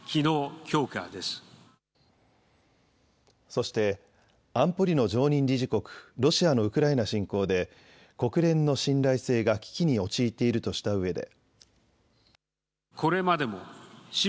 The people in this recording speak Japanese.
そして安保理の常任理事国、ロシアのウクライナ侵攻で国連の信頼性が危機に陥っているとしたうえで。